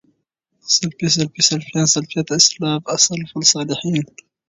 سلفي، سلفۍ، سلفيان، سلفيَت، اسلاف، سلف صالحين